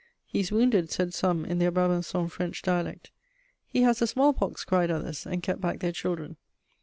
"He is wounded," said some, in their Brabançon French dialect. "He has the smallpox," cried others, and kept back their children.